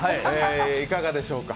いかがでしょうか。